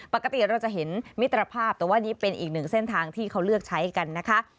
ปกติเราจะเห็นมิตรภาพแต่ว่านี้เป็นอีกหนึ่งเส้นทางที่เขาเลือกใช้กันนะคะ